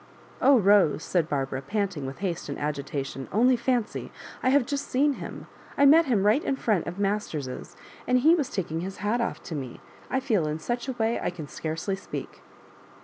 "Oh, Bose," said Barbara, panting with haste and agitation, *'only fancy; I have just seen him. I met him right in front of Masters's, and he took off his hat to me. I feel in such a way — I can scarcely speak."